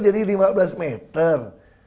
jadi lima belas meter